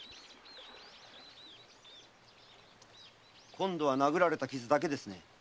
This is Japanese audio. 今度は殴られた傷だけですね。